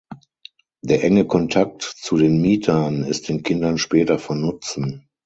Der enge Kontakt zu den Mietern ist den Kindern später von Nutzen.